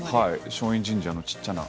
松蔭神社の小っちゃな